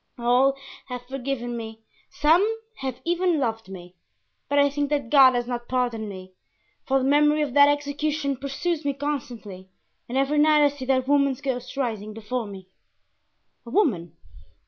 All have forgiven me, some have even loved me; but I think that God has not pardoned me, for the memory of that execution pursues me constantly and every night I see that woman's ghost rising before me." "A woman!